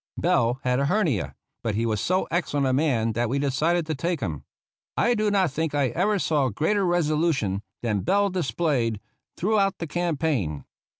Bell had a hernia, but he was so ex cellent a man that we decided to take him. I do not think I ever saw greater resolution than Bell displayed throughout the campaign.